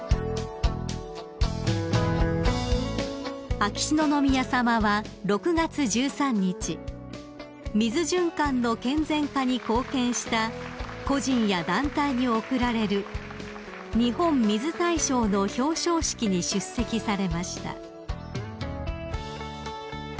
［秋篠宮さまは６月１３日水循環の健全化に貢献した個人や団体に贈られる日本水大賞の表彰式に出席されました］